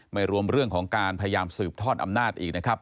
รวมเรื่องของการพยายามสืบทอดอำนาจอีกนะครับ